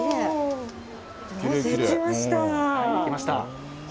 できました。